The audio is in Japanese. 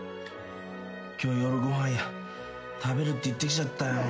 今日夜ご飯食べるって言ってきちゃったよ。